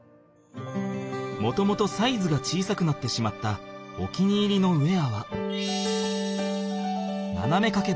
もともとサイズが小さくなってしまったお気に入りのウエアはななめかけ